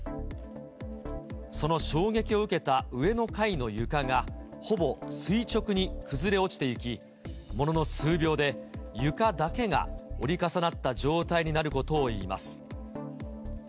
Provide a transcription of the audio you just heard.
その衝撃を受けた上の階の床がほぼ垂直に崩れ落ちてゆき、ものの数秒で、床だけが折り重なった状態になることをいいます。